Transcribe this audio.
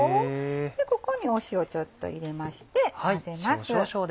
ここに塩ちょっと入れまして混ぜます。